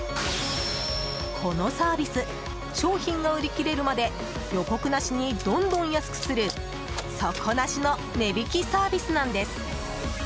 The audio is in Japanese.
このサービス商品が売り切れるまで予告なしにどんどん安くする底なしの値引きサービスなんです。